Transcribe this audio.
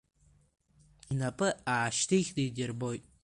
Инапы аашьҭыхны идирбоит.